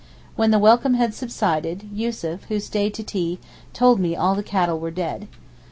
When the welcome had subsided, Yussuf, who stayed to tea, told me all the cattle were dead.